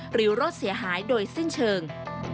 หรือรถเสียหายโดยสิ้นเชิง